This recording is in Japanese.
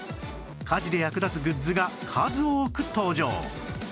家事で役立つグッズが数多く登場